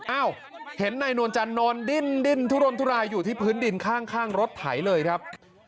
อ้าวเห็นนายนวลจันทร์นอนดิ้นทุรนทุรายอยู่ที่พื้นดินข้างรถไถเลยครับ